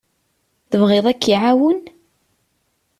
Tebɣiḍ ad k-iɛawen?